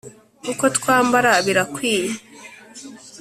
Uko twambara birakwiye